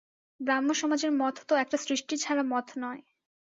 ব্রাহ্মসমাজের মত তো একটা সৃষ্টিছাড়া মত নয়।